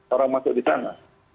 orang masuk di sana